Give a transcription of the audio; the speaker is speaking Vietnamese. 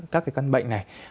các cái căn bệnh này